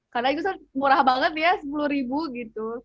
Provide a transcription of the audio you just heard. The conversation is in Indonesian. karena itu kan murah banget ya sepuluh gitu